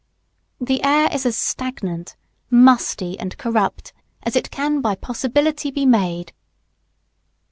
The air is as stagnant, musty, and corrupt as it can by possibility be made.